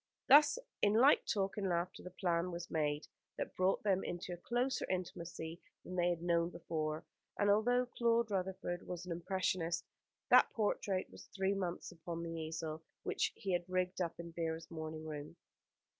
Thus in light talk and laughter the plan was made that brought them into a closer intimacy than they had known before, and although Claude Rutherford was an impressionist, that portrait was three months upon the easel which he had rigged up in Vera's morning room.